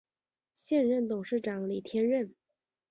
现任董事长为李天任。